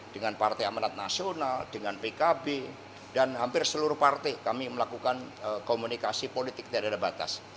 dengan partai amanat nasional dengan pkb dan hampir seluruh partai kami melakukan komunikasi politik tidak ada batas